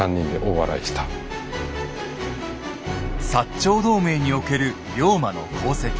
長同盟における龍馬の功績。